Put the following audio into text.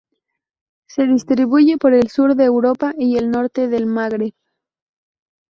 Se distribuye por el sur de Europa y el norte del Magreb.